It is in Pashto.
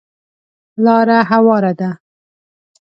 لاره هواره ده .